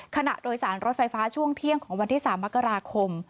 ขณะโดยสารรถไฟฟ้าช่วงเที่ยงของวันที่๓มกราคม